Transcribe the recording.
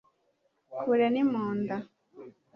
kure ni mu nda